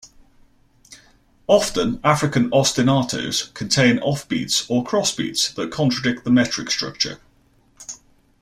Often, African ostinatos contain offbeats or cross-beats, that contradict the metric structure.